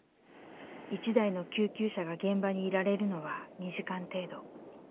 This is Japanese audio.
１台の救急車が現場にいられるのは２時間程度。